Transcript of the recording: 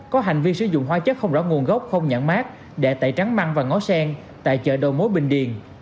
có hành vi sử dụng hoa chất không rõ nguồn gốc không nhãn mát để tẩy trắng măng và ngó sen tại chợ đầu mối bình điền